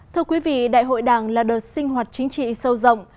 thưa quý vị đại hội đảng là đợt sinh hoạt chính trị sâu rộng